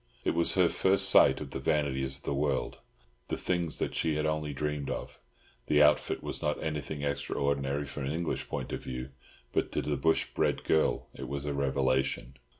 It was her first sight of the vanities of the world, the things that she had only dreamed of. The outfit was not anything extraordinary from an English point of view, but to the bush bred girl it was a revelation.